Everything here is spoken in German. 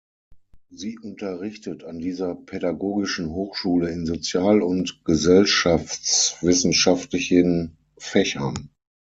Sie unterrichtet an dieser Pädagogischen Hochschule in sozial- und gesellschaftswissenschaftlichen Fächern.